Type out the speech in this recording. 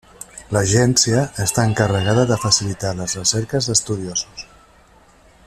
L'agència està encarregada de facilitar les recerques d'estudiosos.